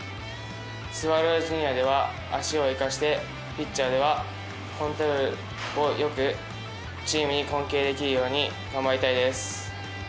スワローズジュニアでは足を生かしてピッチャーではコントロールを良くチームに貢献できるように頑張りたいです。